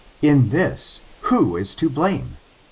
In thiSj who is to blame